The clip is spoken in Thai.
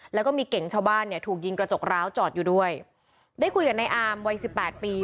แล้วก็มีเก่งชาวบ้านเนี่ยถูกยิงกระจกร้าวจอดอยู่ด้วยได้คุยกับนายอามวัยสิบแปดปี